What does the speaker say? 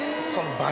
倍？